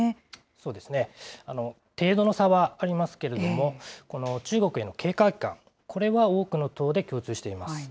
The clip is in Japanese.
そうですね、程度の差はありますけれども、中国への警戒感、これは多くの党で共通しています。